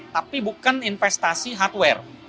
tapi bukan investasi hardware